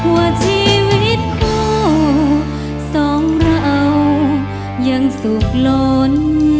ว่าชีวิตคู่สองเรายังสุขล้น